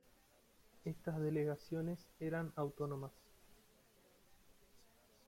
Estas delegaciones eran autónomas.